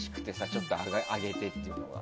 ちょっと上げてって言うのが。